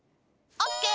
オッケー！